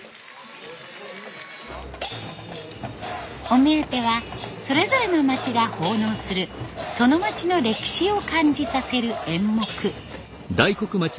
お目当てはそれぞれの町が奉納するその町の歴史を感じさせる演目。